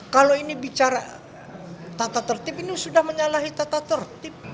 kalau ini bicara tata tertib ini sudah menyalahi tata tertib